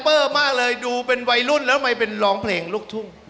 เปอร์มากเลยดูเป็นวัยรุ่นแล้วทำไมเป็นร้องเพลงลูกทุ่ง